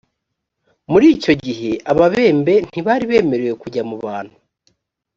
muri icyo gihe ababembe ntibari bemerewe kujya mu bantu